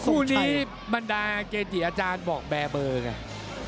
แล้วคู่นี้มันดาเกจิอาจารย์บอกแบร์เบอร์ไง